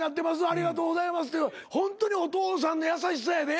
ありがとうございますってホントにお父さんの優しさやで。